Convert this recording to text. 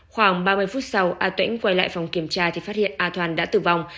khoảng ba mươi phút sau a tĩnh quay lại phòng kiểm tra thì phát hiện a thoan đã tử vong